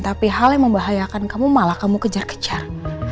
tapi hal yang membahayakan kamu malah kamu kejar kejar